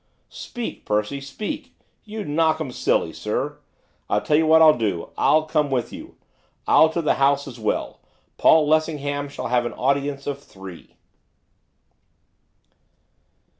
'Speak, Percy, speak! you'd knock 'em silly, sir! I tell you what I'll do, I'll come with you! I'll to the House as well! Paul Lessingham shall have an audience of three.